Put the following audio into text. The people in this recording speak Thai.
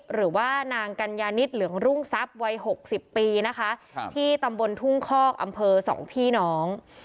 หรือว่านางกัญญานิดเหลืองรุ่งทรัพย์วัย๖๐ปีนะคะที่ตำบลทุ่งคอกอำเภอสองพี่น้อง